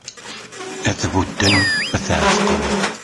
Ad t-budden ad t-εetqen